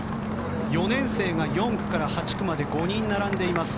４年生が４区から８区まで５人並んでいます。